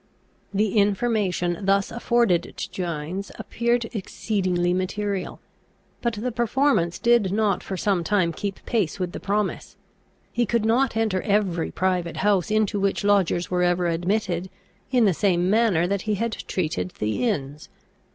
The information thus afforded to Gines appeared exceedingly material. But the performance did not for some time keep pace with the promise. He could not enter every private house into which lodgers were ever admitted, in the same manner that he had treated the inns.